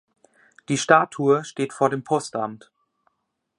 Die Statue steht vor dem Postamt.